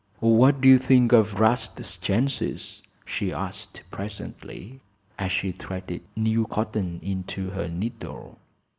"What do you think of 'Rast's chances?" she asked, presently, as she threaded new cotton into her needle.